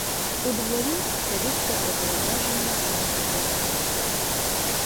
У дворі ця вістка зробила враження вибуху бомби.